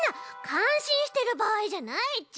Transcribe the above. かんしんしてるばあいじゃないち。